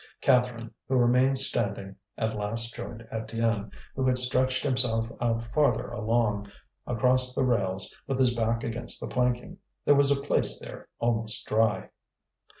Catherine, who remained standing, at last joined Étienne, who had stretched himself out farther along, across the rails, with his back against the planking. There was a place there almost dry.